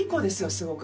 すごく。